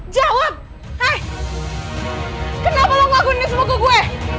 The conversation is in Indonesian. jawab hai kenapa lo ngakuin semua ke gue